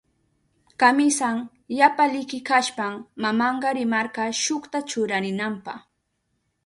Kamisan yapa liki kashpan mamanka rimarka shukta churarinanpa.